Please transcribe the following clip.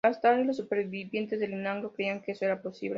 La Stavka y los supervivientes en Leningrado creían que eso era posible.